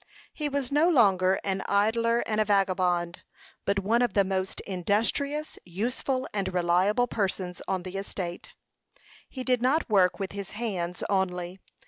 He was no longer an idler and a vagabond, but one of the most industrious, useful, and reliable persons on the estate. He did not work with his hands only.